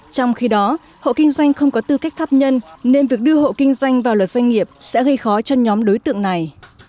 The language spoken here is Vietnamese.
trong khi đó hộ kinh doanh không có tư cách thắp nhân nên việc đưa hộ kinh doanh vào luật doanh nghiệp sẽ gây khó cho nhóm đối tượng này